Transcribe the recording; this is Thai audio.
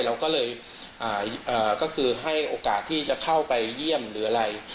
เราก็เลยก็คือให้โอกาสที่จะเข้าไปเยี่ยมหรืออะไร